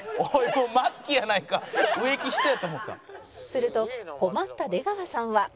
「すると困った出川さんは」